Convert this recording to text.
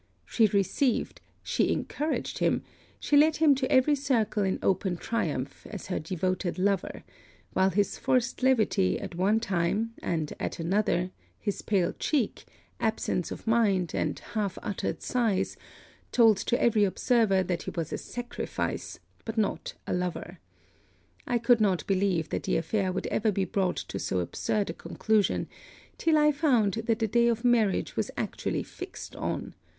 She received, she encouraged him, she led him into every circle in open triumph, as her devoted lover: while his forced levity, at one time, and at another, his pale cheek, absence of mind, and half uttered sighs, told to every observer that he was a sacrifice but not a lover. I could not believe that the affair would ever be brought to so absurd a conclusion, till I found that the day of marriage was actually fixed on.